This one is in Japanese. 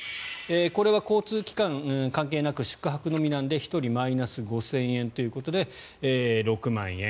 これは交通機関関係なく宿泊のみなので１人マイナス５０００円ということで６万円。